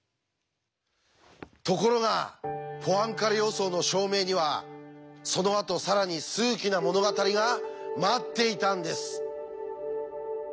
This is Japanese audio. ところがポアンカレ予想の証明にはそのあと更に数奇な物語が待っていたんです。